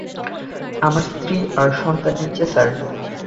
আমার স্ত্রী আর সন্তান নিচে, স্যার।